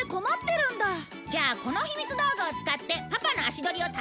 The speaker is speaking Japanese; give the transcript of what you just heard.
じゃあこのひみつ道具を使ってパパの足取りをたどろう！